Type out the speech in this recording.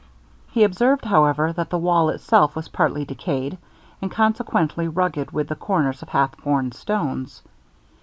He observed, however, that the wall itself was partly decayed, and consequently rugged with the corners of half worn stones.